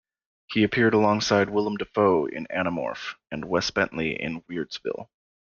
He appeared alongside Willem Dafoe in Anamorph and Wes Bentley in "Weirdsville".